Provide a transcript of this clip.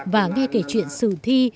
và nghe kể chuyện sử thi